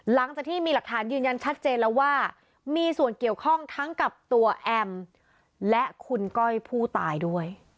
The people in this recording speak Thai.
หลังจากที่มีหลักฐานยืนยันชัดเจนแล้วว่ามีส่วนเกี่ยวข้องทั้งกับตัวแอมและคุณก้อยผู้ตายด้วย